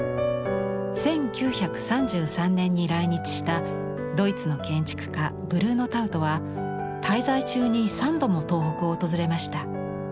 １９３３年に来日したドイツの建築家ブルーノ・タウトは滞在中に３度も東北を訪れました。